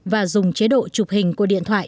và dùng chế độ chụp hình của điện thoại